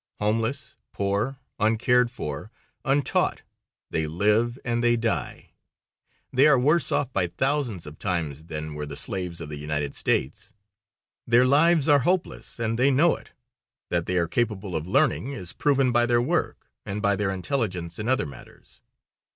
Homeless, poor, uncared for, untaught, they live and they die. They are worse off by thousands of times than were the slaves of the United States. Their lives are hopeless, and they know it. That they are capable of learning is proven by their work, and by their intelligence in other matters.